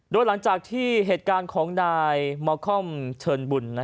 โดยหลังจากที่เหตุการณ์ของนายมอคอมเชิญบุญ